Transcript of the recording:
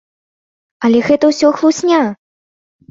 Але гэта ўсё хлусня!